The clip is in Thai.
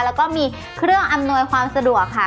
แล้วก็มีเครื่องอำนวยความสะดวกค่ะ